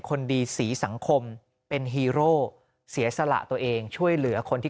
คนดีสีสังคมเป็นฮีโร่เสียสละตัวเองช่วยเหลือคนที่